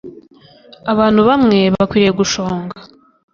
abantu bamwe bakwiriye gushonga.